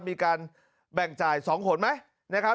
มีการแบ่งจ่าย๒หนไหมนะครับ